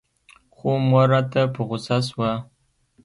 خو مور راته په غوسه سوه.